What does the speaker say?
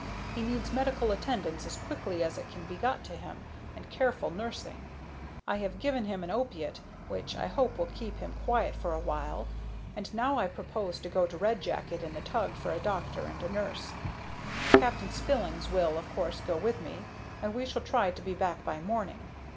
He needs medical attendance as quickly as it can be got to him, and careful nursing. I have given him an opiate, which I hope will keep him quiet for a while, and now I propose to go to Red Jacket in the tug for a doctor and a nurse. Captain Spillins will, of course, go with me, and we shall try to be back by morning.